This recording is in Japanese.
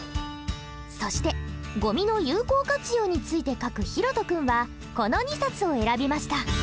そしてゴミの有効活用について書くひろと君はこの２冊を選びました。